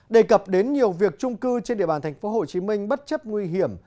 đề cập đến nhiều việc trung cư trên địa bàn tp hcm bất chấp nguy hiểm